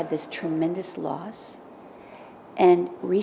để hướng dẫn người việt